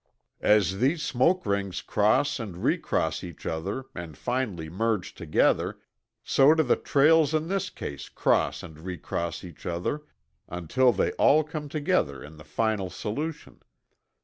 "As these smoke rings cross and recross each other and finally merge together, so do the trails in this case cross and recross each other until they all come together in the final solution.